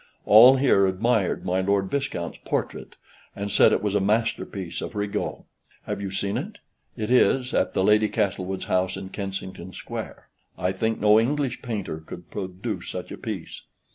All here admired my Lord Viscount's portrait, and said it was a masterpiece of Rigaud. Have you seen it? It is (at the Lady Castlewood's house in Kensington Square). I think no English painter could produce such a piece.